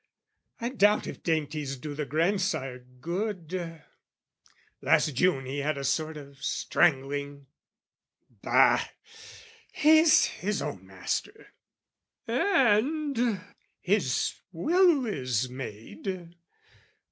I doubt if dainties do the grandsire good: Last June he had a sort of strangling...bah! He's his own master, and his will is made.